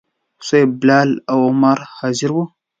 صیب، بلال او عمار حاضر وو.